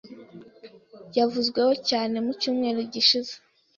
yavuzweho cyane mu cyumweru gishize,